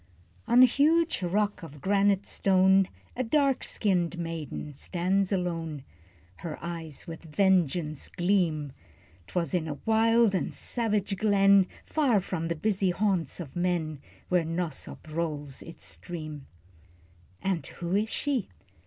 On a huge rock of granite stone, A dark skinned maiden stands alone, Her eyes with vengeance gleam. 'Twas in a wild and savage glen, Far from the busy haunts of men, Where 'Nosop rolls its stream. And who is she?